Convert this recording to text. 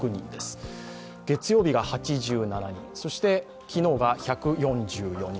月曜日が８７人そして昨日が１４４人